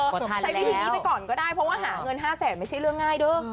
ใช้วิธีนี้ไปก่อนก็ได้เพราะว่าหาเงิน๕แสนไม่ใช่เรื่องง่ายเด้อ